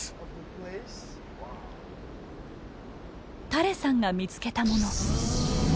タレさんが見つけたもの。